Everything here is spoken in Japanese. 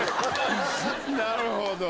なるほど。